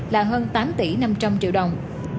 là hơn tám tỷ năm trăm linh triệu đồng